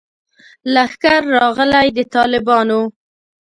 لښکر راغلی د طالبانو